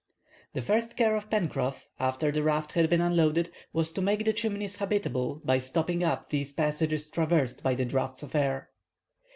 The first care of Pencroff, after the raft had been unloaded, was to make the Chimneys habitable, by stopping up those passages traversed by the draughts of air.